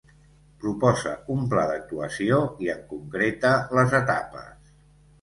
Proposa un pla d'actuació i en concreta les etapes.